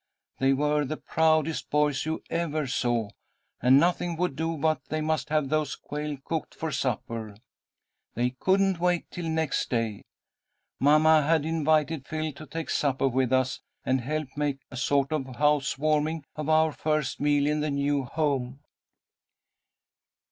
They were the proudest boys you ever saw, and nothing would do but they must have those quail cooked for supper. They couldn't wait till next day. Mamma had invited Phil to take supper with us, and help make a sort of house warming of our first meal in the new home.